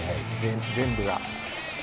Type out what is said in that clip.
全部が。